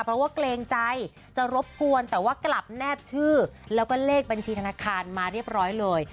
เพราะว่าเกรงใจจะรบกวนแต่ว่ากลับแนบชื่อแล้วก็เลขบัญชีธนาคารมาเรียบร้อยเลย